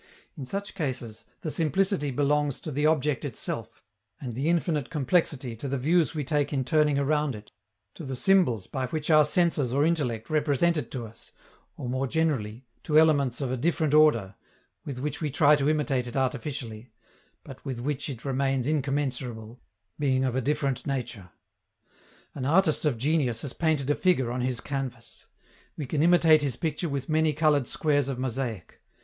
In such cases, the simplicity belongs to the object itself, and the infinite complexity to the views we take in turning around it, to the symbols by which our senses or intellect represent it to us, or, more generally, to elements of a different order, with which we try to imitate it artificially, but with which it remains incommensurable, being of a different nature. An artist of genius has painted a figure on his canvas. We can imitate his picture with many colored squares of mosaic.